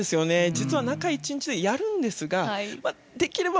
実は中１日でやるんですができれば